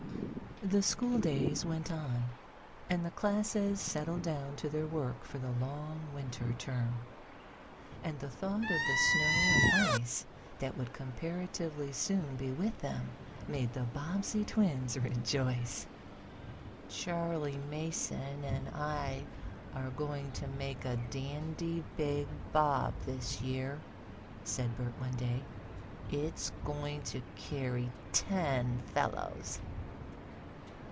The school days went on, and the classes settled down to their work for the long Winter term. And the thought of the snow and ice that would comparatively soon be with them, made the Bobbsey twins rejoice. "Charley Mason and I are going to make a dandy big bob this year," said Bert one day. "It's going to carry ten fellows."